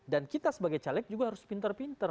dan kita sebagai caleg juga harus pinter pinter